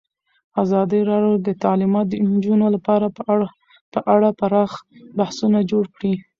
ازادي راډیو د تعلیمات د نجونو لپاره په اړه پراخ بحثونه جوړ کړي.